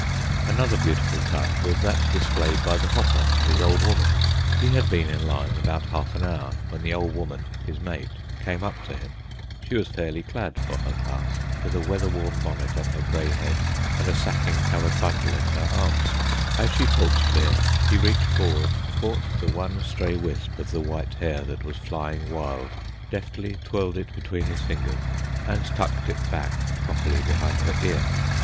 Another beautiful touch was that displayed by the "Hopper" and his "ole woman." He had been in line about half an hour when the "ole woman" (his mate) came up to him. She was fairly clad, for her class, with a weather worn bonnet on her grey head and a sacking covered bundle in her arms. As she talked to him, he reached forward, caught the one stray wisp of the white hair that was flying wild, deftly twirled it between his fingers, and tucked it back properly behind her ear.